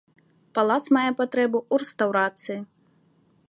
Палац мае патрэбу ў рэстаўрацыі.